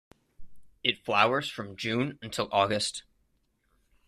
It flowers from June until August.